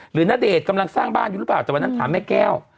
ณเดชน์กำลังสร้างบ้านอยู่หรือเปล่าแต่วันนั้นถามแม่แก้ว